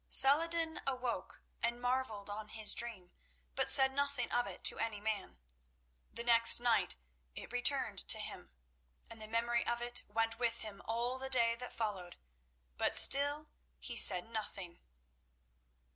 Salah ed din awoke, and marvelled on his dream, but said nothing of it to any man. The next night it returned to him, and the memory of it went with him all the day that followed, but still he said nothing.